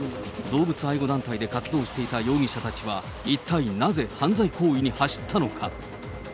動物愛護団体で活動していた容疑者たちは、一体なぜ、犯罪行為に走ったのか。